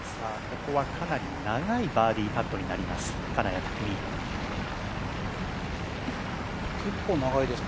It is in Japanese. ここはかなり長いバーディーパットになります